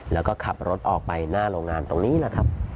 แล้วก็ขับรถออกไปหน้าโรงงานตรงนี้แหละครับ